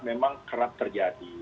memang kerap terjadi